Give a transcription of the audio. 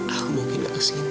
aku mau hidup kesini